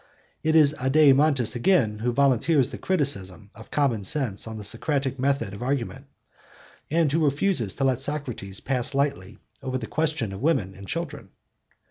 It is Adeimantus again who volunteers the criticism of common sense on the Socratic method of argument, and who refuses to let Socrates pass lightly over the question of women and children.